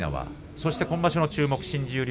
そして今場所注目の新十両